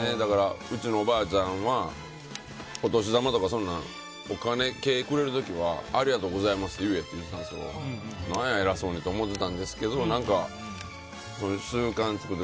うちのおばあちゃんはお年玉とかお金系くれる時はありがとうございますって言えって言われててなんや偉そうにって思ってたんですが何か習慣作って。